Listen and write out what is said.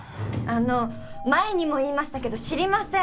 あの前にも言いましたけど知りません。